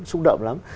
xúc động lắm